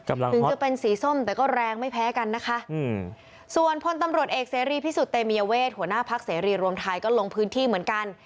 ถึงจะเป็นสีส้มแต่ก็แรงไม่แพ้กันนะคะอืมส่วนพลตำรวจเอกเสรีพิสุทธิเตมียเวทหัวหน้าพักเสรีรวมไทยก็ลงพื้นที่เหมือนกัน